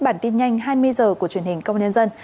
bản tin nhanh hai mươi h của truyền hình công an nhân dân